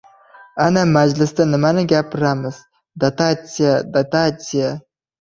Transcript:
— Ana, majlisda nimani gapiramiz! Dotatsiya, dotatsiya!